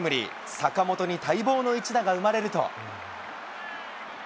坂本に待望の一打が生まれると。